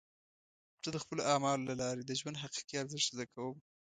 زه د خپلو اعمالو له لارې د ژوند حقیقي ارزښت زده کوم.